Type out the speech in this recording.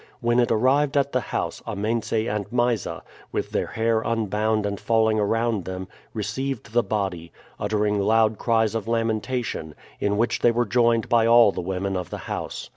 When it arrived at the house, Amense and Mysa, with their hair unbound and falling around them, received the body uttering loud cries of lamentation, in which they were joined by all the women of the house.